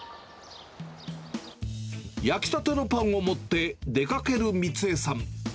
焼きたてのパンを持って、出かける三江さん。